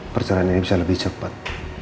perjalanan ini bisa lebih cepat